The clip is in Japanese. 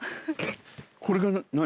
これが何？